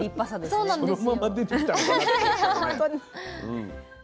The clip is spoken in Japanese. そうなんです。